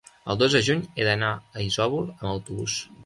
el dos de juny he d'anar a Isòvol amb autobús.